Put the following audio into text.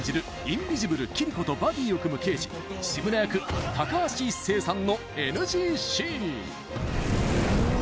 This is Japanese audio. インビジブルキリコとバディを組む刑事志村役高橋一生さんのＮＧシーン